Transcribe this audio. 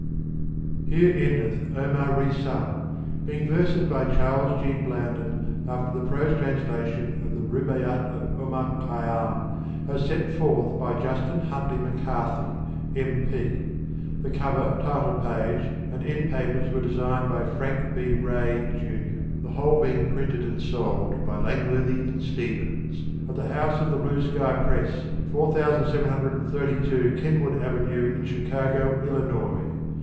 Here endeth OMAR RESUNG, being verses by Charles G. Blanden, after the prose translation of the R UB AIT AT of Omar Khayyam, as set forth by Justin Huntly McCarthy, M. P. The cover, title page and end papers were designed by Frank B.Rae, Jr. The whole being printed and sold by Langworthy & Stev ens at the House of the Blue Sky Press, 4732 Kenwood Avenue in Chicago, Illi nois.